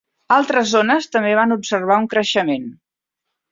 Altres zones també van observar un creixement.